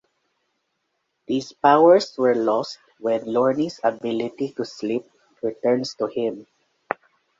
These powers were lost when Lorne's ability to sleep returns to him.